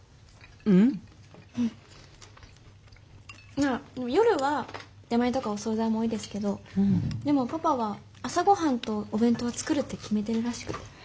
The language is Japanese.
まあ夜は出前とかお総菜も多いですけどでもパパは朝ごはんとお弁当は作るって決めてるらしくて。